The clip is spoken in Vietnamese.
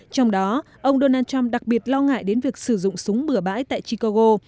trong đó ông donald trump đặc biệt lo ngại đến việc sử dụng súng bửa bãi tại chicago